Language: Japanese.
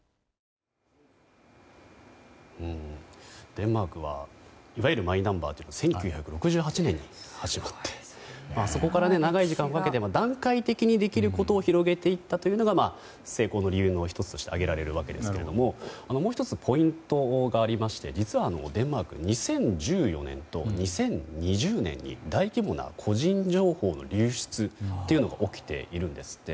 デンマークはいわゆるマイナンバーが１９６８年に始まってそこから長い時間をかけて段階的にできることを広げていったというのが成功の理由の１つとして挙げられるわけですがもう１つ、ポイントがありまして実はデンマーク２０１４年と２０２０年に大規模な個人情報の流出というのが起きているんですね。